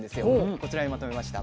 こちらにまとめました。